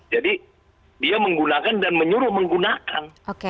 jadi dia menggunakan dan menyuruh menggunakan